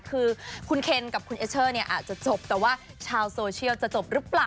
คือคุณเคนกับคุณเอเชอร์เนี่ยอาจจะจบแต่ว่าชาวโซเชียลจะจบหรือเปล่า